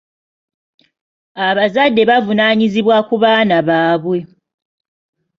Abazadde bavunaanyizibwa ku baana baabwe.